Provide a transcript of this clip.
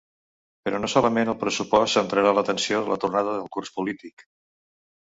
Però no solament el pressupost centrarà l’atenció de la tornada del curs polític.